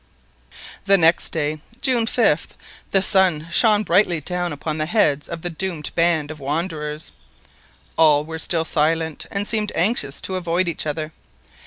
The next day, June 5th, the sun shone brightly down upon the heads of the doomed band of wanderers. All were still silent, and seemed anxious to avoid each other.